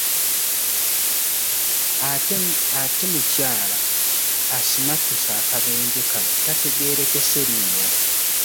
Ate mukyala asimattuse akabenje kano tategeerekese linnya.